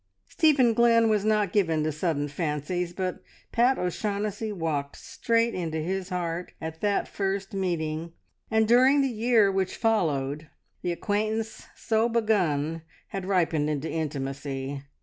Stephen Glynn was not given to sudden fancies, but Pat O'Shaughnessy walked straight into his heart at that first meeting, and during the year which followed the acquaintance so begun had ripened into intimacy.